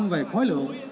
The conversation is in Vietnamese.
về khói lượng